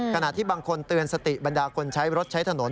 ขณะที่บางคนเตือนสติบรรดาคนใช้รถใช้ถนน